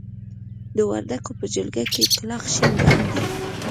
د وردکو په جلګه کې کلاخ شين بڼ دی.